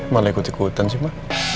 malah ikut ikutan sih mbak